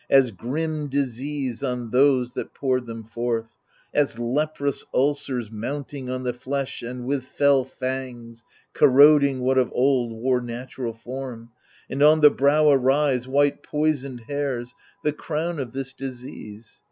As grim disease on those that poured them forth — As leprous ulcers mounting on the flesh And with fell fangs corroding what of old Wore natural form ; and on the brow arise White poisoned hairs, the crown of this disease.